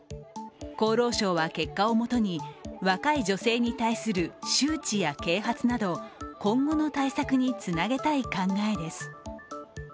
厚労省は結果をもとに若い女性に対する周知や啓発など、今後の対策につなげたい考えです。